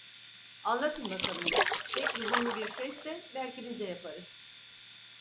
Anlatın bakalım, pek lüzumlu bir şeyse belki biz de yaparız!